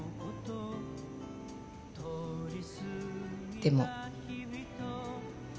でも。